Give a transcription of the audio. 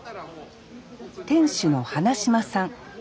店主の花島さん。